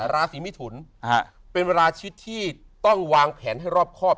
ราศีมิถุนเป็นเวลาชีวิตที่ต้องวางแผนให้รอบครอบ